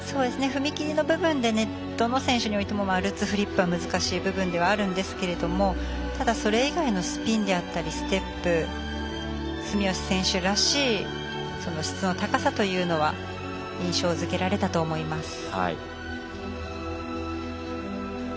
踏み切りの部分でどの選手でもルッツ、フリップは難しい部分ではあるんですけどただ、それ以外のスピンであったりステップ住吉選手らしい質の高さというのは印象づけられたと思います。